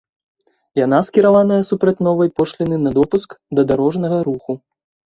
Яна скіраваная супраць новай пошліны на допуск да дарожнага руху.